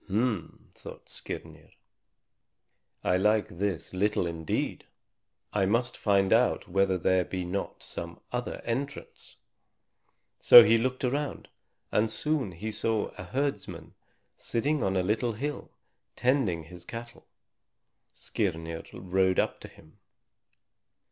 "H'm!" thought Skirnir, "I like this little indeed. I must find out whether there be not some other entrance." So he looked around, and soon he saw a herdsman sitting on a little hill, tending his cattle. Skirnir rode up to him.